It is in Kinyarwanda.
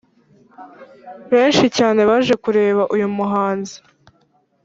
benshi cyane baje kureba uyu muhanzi.